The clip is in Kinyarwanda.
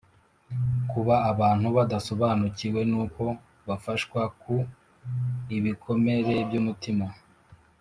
Kuba abantu badasobanukiwe n uko bafashwa ku ibikomere by umutima